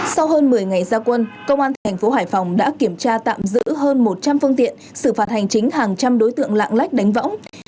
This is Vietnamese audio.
sau hơn một mươi ngày gia quân công an thành phố hải phòng đã kiểm tra tạm giữ hơn một trăm linh phương tiện xử phạt hành chính hàng trăm đối tượng lạng lách đánh võng